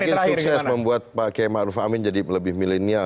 mungkin sukses membuat pak k ⁇ maruf ⁇ amin jadi lebih milenial